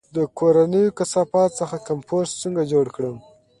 د کورنیو کثافاتو څخه کمپوسټ څنګه جوړ کړم؟